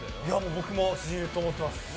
僕も親友と思ってます。